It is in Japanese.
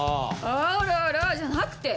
「あらら」じゃなくて。